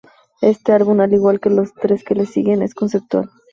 Este álbum, al igual que los tres que le siguen, es conceptual.